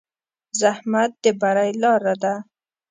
زحمت د بری لاره ده.